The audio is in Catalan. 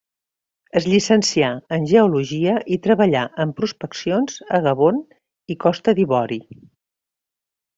Es llicencià en geologia i treballà en prospeccions a Gabon i Costa d'Ivori.